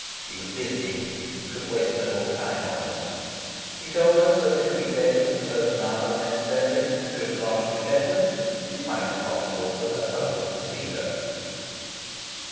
He was busy, and could waste no more time on us. He told us that if we came at a certain hour next day, should Blanche be better, it might be possible for her husband to see her.